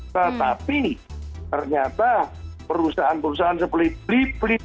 tetapi ternyata perusahaan perusahaan seperti blip blip